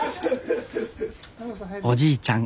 おじいちゃん